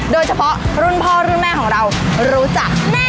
โดยเฉพาะรุ่นพ่อรุ่นแม่ของเรารู้จักแน่